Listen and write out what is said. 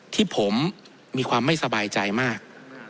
ที่ผมมีความไม่สบายใจมาก